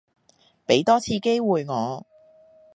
畀多次機會我